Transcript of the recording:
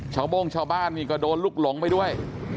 โม่งชาวบ้านนี่ก็โดนลูกหลงไปด้วย